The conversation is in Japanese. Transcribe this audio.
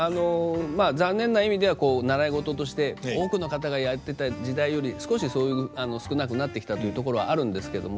まあ残念な意味では習い事として多くの方がやってた時代より少しそういう少なくなってきたというところはあるんですけども。